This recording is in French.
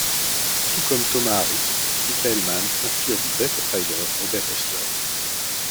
Tout comme Thomas Harris, Michael Mann s'inspire du vrai profiler Robert Ressler.